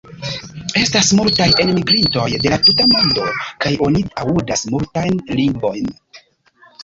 Estas multaj enmigrintoj de la tuta mondo, kaj oni aŭdas multajn lingvojn.